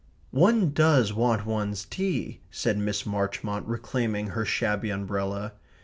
"One does want one's tea," said Miss Marchmont, reclaiming her shabby umbrella.